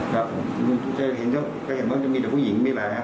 ก็เห็นว่ามีแต่ผู้หญิงมีหลายอย่าง